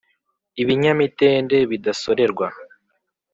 ibinyamitende bidasorerwa